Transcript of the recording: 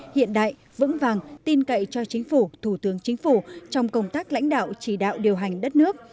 hiện đại vững vàng tin cậy cho chính phủ thủ tướng chính phủ trong công tác lãnh đạo chỉ đạo điều hành đất nước